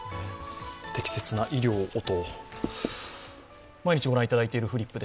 適切な医療をと。